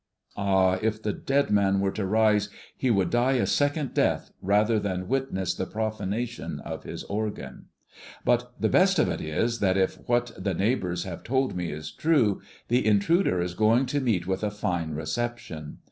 Ah, if the dead man were to rise, he would die a second death rather than witness the profanation of his organ. But the best of it is that if what the neighbors have told me is true, the intruder is going to meet with a fine reception.